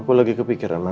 aku lagi kepikiran ma